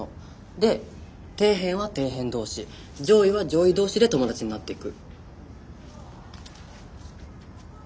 で底辺は底辺同士上位は上位同士で友達になっていく。